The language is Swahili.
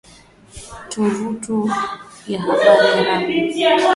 Tovuti ya habari ya Iran